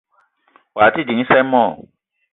Wao te ding isa i mo?